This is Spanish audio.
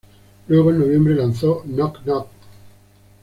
Luego, en noviembre, lanzó "Knock Knock".